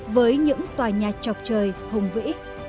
với những tòa nhà trọc trời hùng vĩ